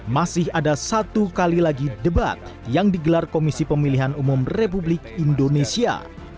masih ada satu kali lagi debat yang digelar komisi pemilihan umum republik indonesia